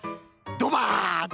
ドバッと？